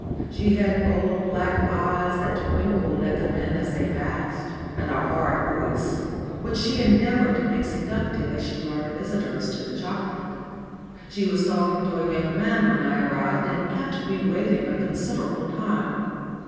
She had bold, black eyes, that twinkled at the men as they passed, and a hard voice, which she endeavoured to make seductive as she lured visitors to the chocolate. She was talking to a young man when I arrived, and kept me waiting a considerable time.